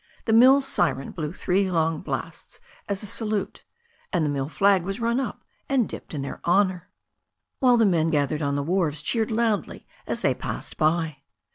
The mill siren blew three long blasts as a salute, and the mill flag was run up and dipped in their honour, while the men gathered on the wharves cheered loudly as they passed by.